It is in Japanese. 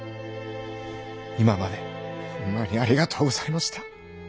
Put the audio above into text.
今までほんまにありがとうございました。